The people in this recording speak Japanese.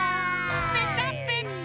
ぺたぺた。